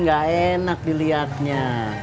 gak enak diliatnya